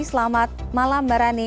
selamat malam mbak rani